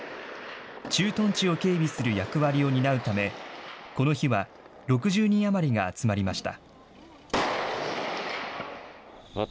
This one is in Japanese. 駐屯地を警備する役割を担うため、この日は６０人余りが集まりました。